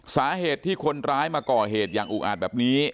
สาเหตุที่คนร้ายมาก่อเหตุอย่างอุกอาจแบบนี้